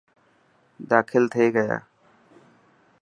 داخل ٿي گيا.